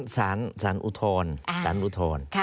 ศาลอุทธร